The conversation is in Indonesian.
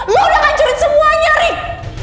lu udah kancurin semuanya rick